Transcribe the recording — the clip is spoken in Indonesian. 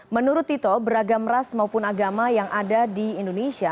menurut tito beragam ras maupun agama yang ada di indonesia